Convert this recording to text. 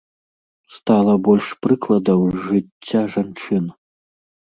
Стала больш прыкладаў з жыцця жанчын.